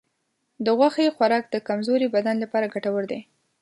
د غوښې خوراک د کمزورې بدن لپاره ګټور دی.